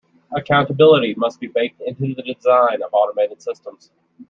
Accountability must be baked into the design of automated systems.